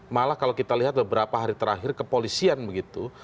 malah kalau kita lihat beberapa hari terakhir kepolisian begitu